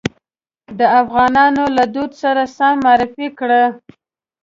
د افغانانو له دود سره سم معرفي کړ.